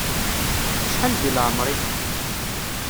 Acḥal di lɛemeṛ-ik?